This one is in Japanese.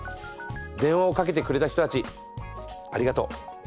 電話をかけてくれた人たちありがとう。